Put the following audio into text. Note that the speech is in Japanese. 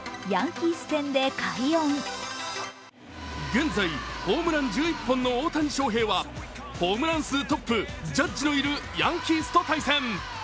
現在、ホームラン１１本の大谷翔平はホームラン数トップ・ジャッジのいるヤンキースと対戦。